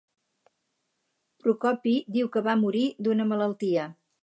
Procopi diu que va morir d'una malaltia.